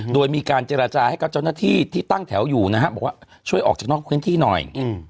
โดยมีการเจรจาให้กับเจ้าหน้าที่ที่ตั้งแถวอยู่นะฮะบอกว่าช่วยออกจากนอกพื้นที่หน่อย